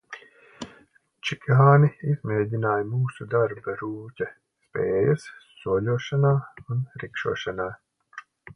Čigāni izmēģināja mūsu darba rūķa spējas, soļošanā un rikšošanā.